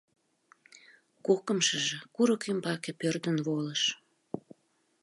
Кокымшыжо курык ӱмбаке пӧрдын волыш.